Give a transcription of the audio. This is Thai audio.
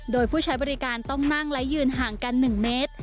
โดยผู้ใช้บริการต้องนั่งและยืนห่างกัน๑เมตร